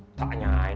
mbah ahli generation